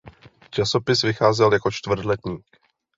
Časopis vycházel jako čtvrtletník.